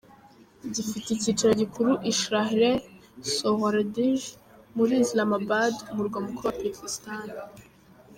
Gifite icyicaro gikuru I Shahrah-e- Soharwardj muri Islamabad umurwa mukuru wa Pakisitani.